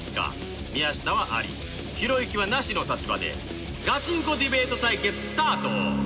宮下はアリひろゆきはナシの立場でガチンコディベート対決スタート